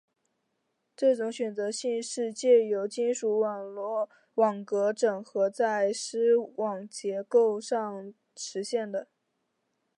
这种选择性是藉由金属网格整合在拖网结构上实现的。